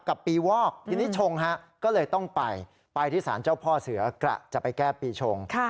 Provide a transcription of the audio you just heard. กับปีวอกทีนี้ชงฮะก็เลยต้องไปไปที่สารเจ้าพ่อเสือกระจะไปแก้ปีชง